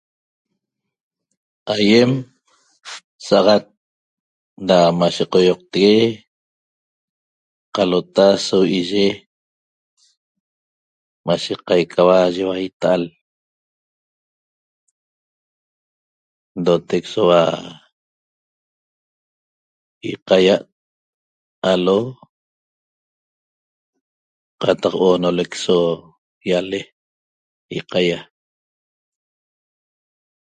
Aiem saxat da maye caioqtegue qalota so iye maye caica hua maye itaal n'dooteq so hua ilqaia aló qataq onoleq so yale ilqaia